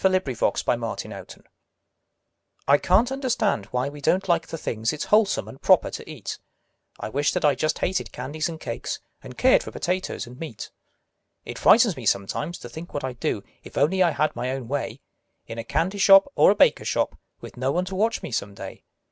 Edgar Fawcett A Sad Case I CAN'T understand why we don't like the things It's wholesome and proper to eat; I wish that I just hated candies and cakes, And cared for potatoes and meat. It frightens me sometimes, to think what I'd do, If only I had my own way In a candy shop or a baker shop, Witn no one to watch me, some day.